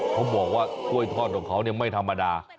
เขาบอกว่ากล้วยทอดของเขาไม่ธรรมดา